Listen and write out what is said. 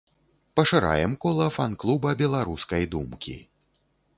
Пашыраем кола фан-клуба беларускай думкі!